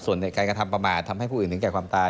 ส่วนในการกระทำประมาททำให้ผู้อื่นถึงแก่ความตาย